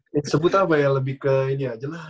yang disebut apa ya lebih ke ini aja lah